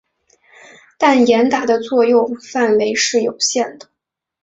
但严打的作用范围是有限的。